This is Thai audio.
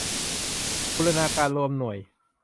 บูรณาการรวมหน่วย